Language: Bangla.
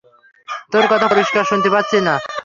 তোর কথা পরিষ্কার শুনতে পাচ্ছি না।